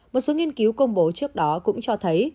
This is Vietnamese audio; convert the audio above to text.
một số nghiên cứu công bố trước đó cũng cho thấy